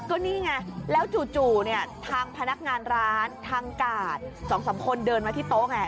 ก็นี่ไงแล้วจู่เนี่ยทางพนักงานร้านทางกาด๒๓คนเดินมาที่โต๊ะไง